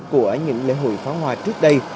của những lễ hội pháo hoa trước đây